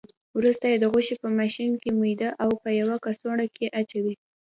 وروسته یې د غوښې په ماشین میده او په یوه کڅوړه کې اچوي.